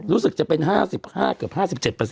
รู้สึกจะเป็น๕๕เกือบ๕๗